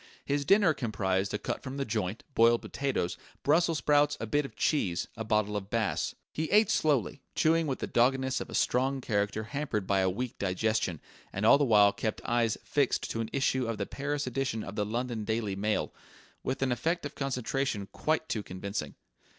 His dinner comprised a cut from the joint, boiled potatoes, brussels sprouts, a bit of cheese, a bottle of Bass. He ate slowly, chewing with the doggedness of a strong character hampered by a weak digestion, and all the while kept eyes fixed to an issue of the Paris edition of the London Daily Mail, with an effect of concentration quite too convincing.